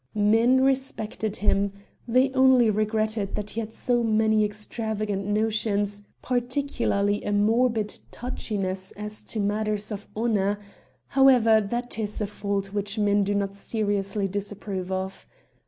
Men respected him; they only regretted that he had so many extravagant notions, particularly a morbid touchiness as to matters of honor; however, that is a fault which men do not seriously disapprove of.